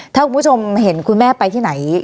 ถ้าคุณผู้ชมเห็นคุณแม่ไปที่ไหน